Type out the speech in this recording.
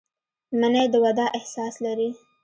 منی د وداع احساس لري